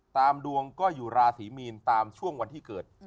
ดวงก็อยู่ราศีมีนตามช่วงวันที่เกิด